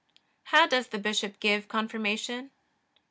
How does the bishop give Confirmation?